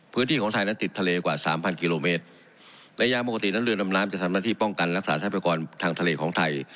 พื้นที่ของไทยนั้นติดทะเลกว่าสามพันกิโลเมตรระยะปกตินั้นเรือดำน้ำจะทำหน้าที่ป้องกันรักษาทรัพยากรทางทะเลของไทย